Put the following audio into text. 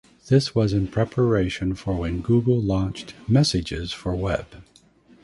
This was in preparation for when Google launched messages for web.